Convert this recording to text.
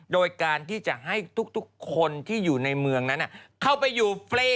โดยการที่จะให้ทุกคนที่อยู่ในเมืองนั้นเข้าไปอยู่ฟรี